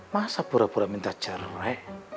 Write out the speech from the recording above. masa pura pura minta jaroi